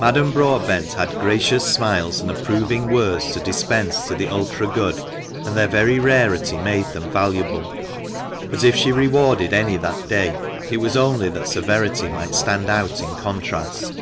Madame Broadbent had gracious smiles and approving words to dispense to the ultra good, and their very rarity made them valuable. But if she rewarded any that day, it was only that severity might stand out in contrast.